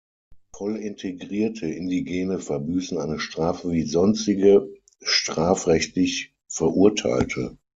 Voll integrierte Indigene verbüßen eine Strafe wie sonstige strafrechtlich Verurteilte.